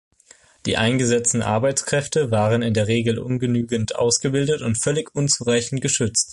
Die eingesetzten Arbeitskräfte waren in der Regel ungenügend ausgebildet und völlig unzureichend geschützt.